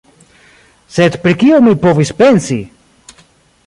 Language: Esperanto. Sed pri kio mi povis pensi?